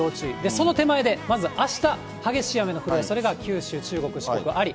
その手前で、まずあした、激しい雨の降るおそれが、九州、中国、四国あり。